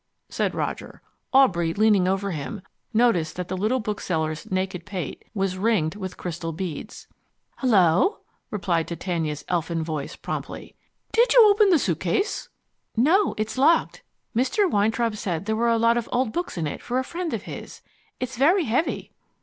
said Roger. Aubrey, leaning over him, noticed that the little bookseller's naked pate was ringed with crystal beads. "Hullo?" replied Titania's elfin voice promptly. "Did you open the suitcase?" "No. It's locked. Mr. Weintraub said there were a lot of old books in it for a friend of his. It's very heavy."